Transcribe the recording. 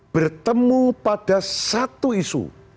bertemu pada satu isu